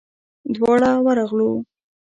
دواړه ورغلو.